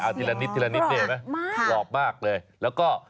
เอาทีละนิดทีละนิดเนี่ยไหมหรอบมากเลยแล้วก็